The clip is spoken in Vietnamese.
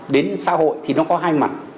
đến xã hội thì nó có hai mặt